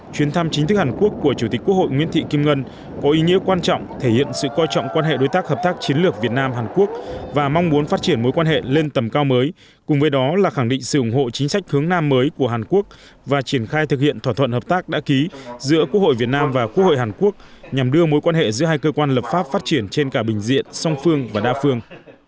chuyến thăm chính thức hàn quốc của chủ tịch quốc hội nguyễn thị kim ngân có ý nghĩa quan trọng thể hiện sự coi trọng quan hệ đối tác hợp tác chiến lược việt nam hàn quốc và mong muốn phát triển mối quan hệ lên tầm cao mới cùng với đó là khẳng định sự ủng hộ chính sách hướng nam mới của hàn quốc và triển khai thực hiện thỏa thuận hợp tác đã ký giữa quốc hội việt nam và quốc hội hàn quốc nhằm đưa mối quan hệ giữa hai cơ quan lập pháp phát triển trên cả bình diện song phương và đa phương